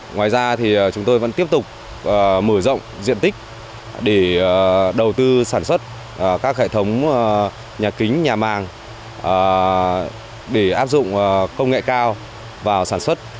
ngoài ra thì chúng tôi vẫn tiếp tục mở rộng diện tích để đầu tư sản xuất các hệ thống nhà kính nhà màng để áp dụng công nghệ cao vào sản xuất